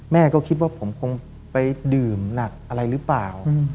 แม่ก็คิดว่าผมคงไปดื่มหนักอะไรหรือเปล่า